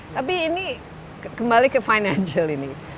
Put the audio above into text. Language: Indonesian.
tapi ini kembali ke financial ini